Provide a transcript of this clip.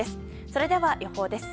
それでは予報です。